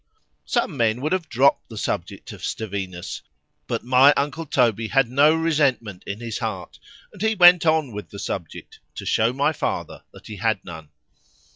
Some men would have dropped the subject of Stevinus;—but my uncle Toby had no resentment in his heart, and he went on with the subject, to shew my father that he had none.